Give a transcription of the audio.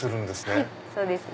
はいそうです。